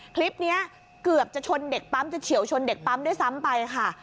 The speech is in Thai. คลิปนี้เกือบจะชนเด็กปั๊มจะเฉียวชนเด็กปั๊มด้วยซ้ำไปค่ะ